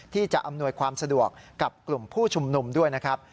ที่จะอำนวยความสะดวกกับกลุ่มผู้ชุมนุมด้วยนะครับ